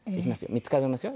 ３つ数えますよ。